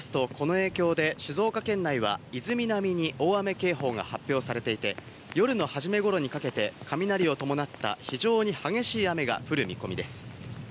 気象台によりますと、この影響で、静岡県内は伊豆南に大雨警報が発表されていて、夜のはじめ頃にかけて、雷を伴った非常に激しい雨が降る見込みです。